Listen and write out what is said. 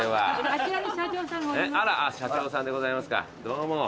あら社長さんでございますかどうもみのりやさん。